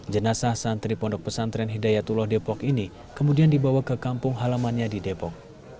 jenazah santri pondok pesantren hidayatullah depok ini kemudian dibawa ke kampung halamannya di depok